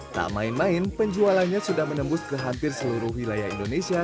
tak main main penjualannya sudah menembus ke hampir seluruh wilayah indonesia